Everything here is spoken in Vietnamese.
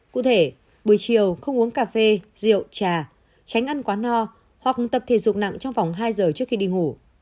cụ thể buổi chiều không uống cà phê rượu trà tránh ăn quá no hoặc tập thể dục nặng trong vòng hai giờ trước khi đi ngủ